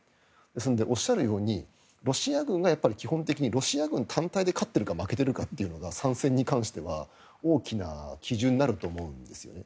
ですのでおっしゃるようにロシア軍が基本的にロシア軍が単体で勝ってるか負けてるかっていうのが参戦に関しては大きな基準になると思うんですね。